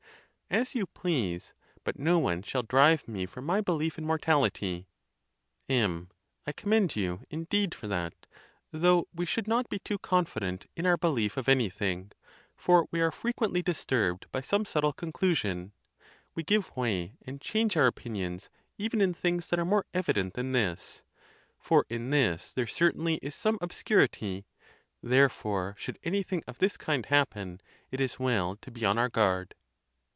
As you please; but no one shall drive me from my belief in mortality. ON THE CONTEMPT OF DEATH. 43 M. I commend you, indeed, for that; though we should not be too confident in our belief of anything; for we are frequently disturbed by some subtle conclusion. We give way and change our opinions even in things that are more evident than this; for in this there certainly is some ob security. Therefore, should anything of this kind happen, it is well to be on our guard.